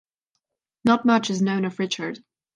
Not much is known of Richard.